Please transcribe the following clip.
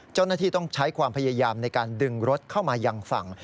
เจ้าหน้าที่ต้องใช้ความพยายามในการดึงรถเข้ามายังฝั่ง